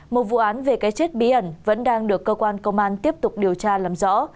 một vụ án về cái chết bí ẩn vẫn đang được cơ quan công an tiếp tục điều tra làm rõ